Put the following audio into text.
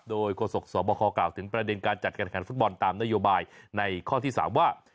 โดยโฆษกสวบคกล่าวถึงประเด็นการจัดการขันฟุตบอลตามนโยบายในข้อที่๓ว่า